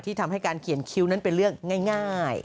ทำให้การเขียนคิ้วนั้นเป็นเรื่องง่าย